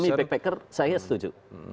semi backpacker saya setuju